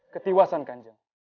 ketiwasan kan jeng